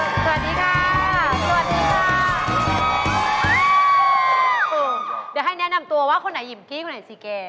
เดี๋ยวให้แนะนำตัวว่าคนไหนยิมกี้คนไหนซีเกม